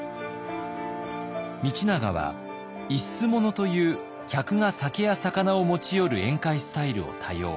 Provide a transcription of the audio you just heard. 道長は一種物という客が酒や肴を持ち寄る宴会スタイルを多用。